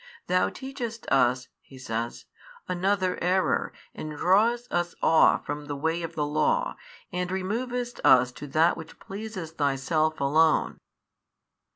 Thou teachest us (he says) another error and drawest us off from the way of the Law, and removest us to that which pleases Thyself Alone.